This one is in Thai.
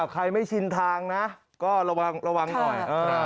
ใครไม่ชินทางนะก็ระวังหน่อย